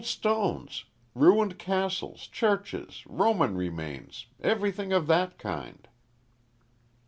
"Old stones. Ruined castles churches Roman remains everything of that kind."